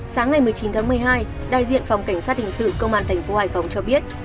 sáng ngày một mươi chín tháng một mươi hai đại diện phòng cảnh sát hình sự công an thành phố hải phòng cho biết